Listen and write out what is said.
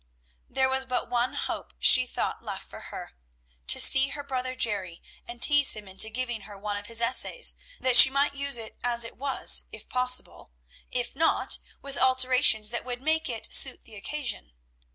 There was but one hope she thought left for her, to see her brother Jerry, and tease him into giving her one of his essays, that she might use it as it was if possible, if not, with alterations that would make it suit the occasion.